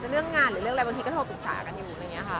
เรื่องงานหรือเรื่องอะไรบางทีก็โทรปรึกษากันอยู่